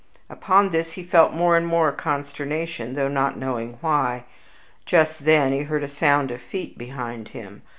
Upon this he felt more and more consternation, though not knowing why. Just then he heard a sound of feet behind him.